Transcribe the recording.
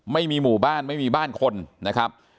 ไม่มีหมู่บ้านไม่มีบ้านคนนะครับ